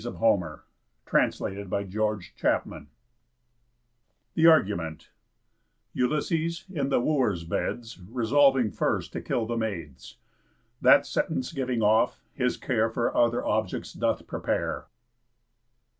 _ THE TWENTIETH BOOK OF HOMER'S ODYSSEYS THE ARGUMENT Ulysses, in the Wooers' beds, Resolving first to kill the maids. That sentence giving off, his care For other objects doth prepare.